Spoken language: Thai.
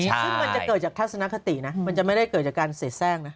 ซึ่งมันจะเกิดจากทัศนคตินะมันจะไม่ได้เกิดจากการเสียแทรกนะ